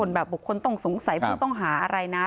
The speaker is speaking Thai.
เป็นคนแบบบุคคลต้องสงสัยไม่ต้องหาอะไรนะ